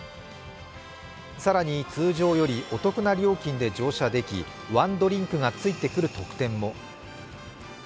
更に通常よりお得な料金で乗車できワンドリンクが付いてくる特典も。